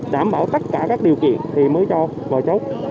đảm bảo tất cả các điều kiện thì mới cho vào chốt